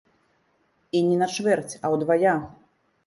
І не на чвэрць, а ўдвая!